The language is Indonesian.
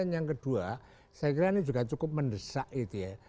yang kedua saya kira ini juga cukup mendesak gitu ya